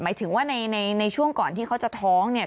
หมายถึงว่าในช่วงก่อนที่เขาจะท้องเนี่ย